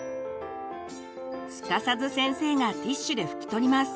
すかさず先生がティシュで拭き取ります。